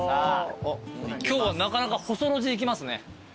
今日はなかなか細路地行きますね。